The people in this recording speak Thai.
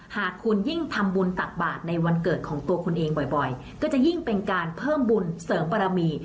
หากคุณยิ่งทำบุญตักบาทในวันเกิดของตัวคุณเองบ่อยก็จะยิ่งเป็นการเพิ่มบุญเสริมบารมี